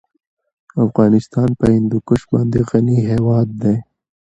افغانستان په هندوکش باندې غني هېواد دی.